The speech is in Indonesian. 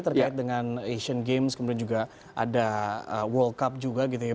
terkait dengan asian games kemudian juga ada world cup juga gitu ya